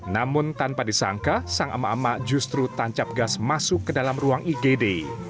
namun tanpa disangka sang emak emak justru tancap gas masuk ke dalam ruang igd